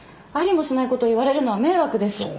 ありもしないことを言われるのは迷惑です。